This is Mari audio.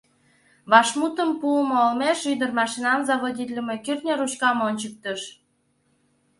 Вашмутым пуымо олмеш ӱдыр машинам заводитлыме кӱртньӧ ручкам ончыктыш.